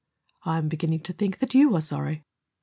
"I'm beginning to think that YOU are sorry."